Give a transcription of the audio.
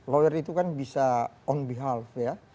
lawyer itu kan bisa on behalf ya